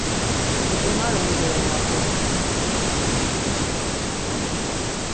Mu ǩonari oncğore maqu.